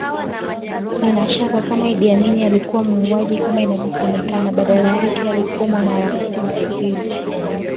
Nina shaka kama Idi Amin alikuwa muuaji kama inavyosemekana badala yake alikuwa mwanaharakati mtetezi